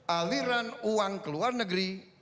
aliran uang ke luar negeri